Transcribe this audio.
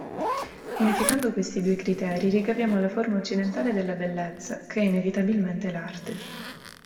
Unificando questi due criteri ricaviamo la forma occidentale della bellezza, che è inevitabilmente l'arte.